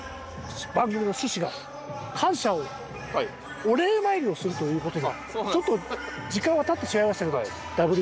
番組の趣旨が感謝をお礼参りをするという事でちょっと時間は経ってしまいましたけど。